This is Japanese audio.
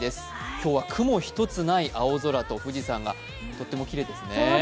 今日は雲一つない青空と富士山がとってもきれいですね。